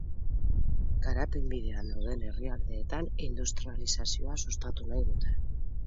Garapen bidean dauden herrialdeetan industrializazioa sustatu nahi dute.